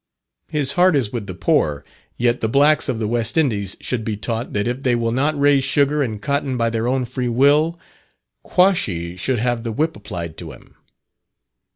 His heart is with the poor; yet the blacks of the West Indies should be taught, that if they will not raise sugar and cotton by their own free will, "Quashy should have the whip applied to him."